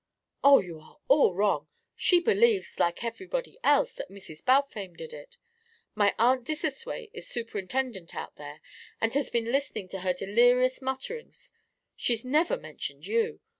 "Oh, you are all wrong. She believes like everybody else that Mrs. Balfame did it. My Aunt Dissosway is superintendent out there and has been listening to her delirious mutterings; she's never mentioned you.